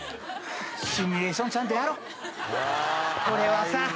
これはさ！